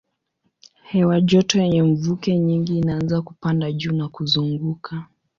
Hewa joto yenye mvuke nyingi inaanza kupanda juu na kuzunguka.